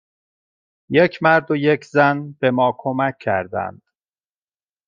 یک مرد و یک زن به ما کمک کردند.